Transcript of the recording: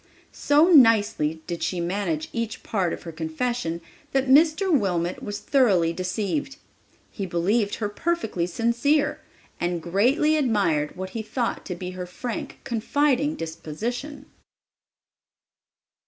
So nicely did she manage each part of her confession that Mr. Wilmot was thoroughly deceived. He believed her perfectly sincere, and greatly admired what he thought to be her frank, confiding disposition.